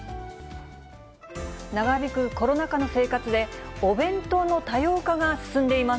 長引くコロナ禍の生活で、お弁当の多様化が進んでいます。